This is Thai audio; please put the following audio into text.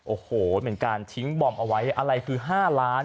โอ้โหเหมือนกันชิงบอมเอาไว้อะไรคือ๕ล้าน